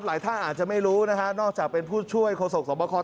หลายท่านอาจจะไม่รู้นะฮะนอกจากเป็นผู้ช่วยโฆษกสวบคอ